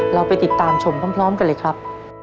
เราไปติดตามชมพร้อมกันเลยครับ